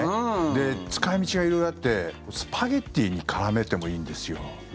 で、使い道が色々あってスパゲティに絡めてもいいんですよ。